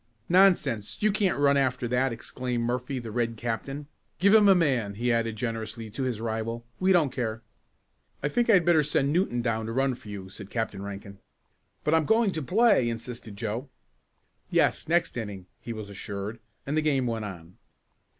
"Nonsense, you can't run after that," exclaimed Murphy, the Red captain. "Give him a man," he added generously to his rival. "We don't care." "I think I had better send Newton down to run for you," said Captain Rankin. "But I'm going to play," insisted Joe. "Yes, next inning," he was assured, and the game went on.